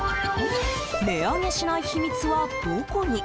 値上げしない秘密はどこに。